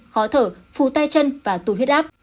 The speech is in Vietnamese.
khó thở phù tay chân và tù huyết áp